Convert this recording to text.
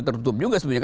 terutup juga sebetulnya